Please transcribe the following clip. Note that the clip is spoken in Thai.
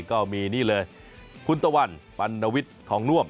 ก็มีนี่เลยคุณตะวันปัณวิทย์ทองน่วม